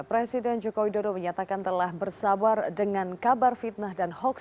presiden jokowi dodo menyatakan telah bersabar dengan kabar fitnah dan hoaks